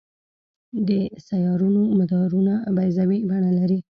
د سیارونو مدارونه بیضوي بڼه لري.